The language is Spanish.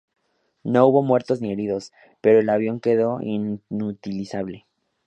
No hubo muertos ni heridos, pero el avión quedó inutilizable.